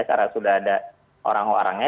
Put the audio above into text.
karena sudah ada orang orangnya